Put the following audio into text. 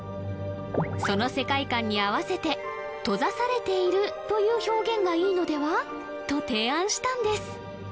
その世界観に合わせて「閉ざされている」という表現がいいのでは？と提案したんです